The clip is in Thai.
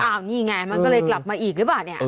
นี่ไงมันก็เลยกลับมาอีกหรือเปล่าเนี่ย